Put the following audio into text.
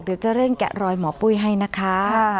เดี๋ยวจะเร่งแกะรอยหมอปุ้ยให้นะคะ